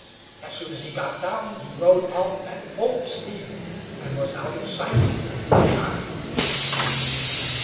As soon as he got down, he rode off at full speed, and was out of sight in no time.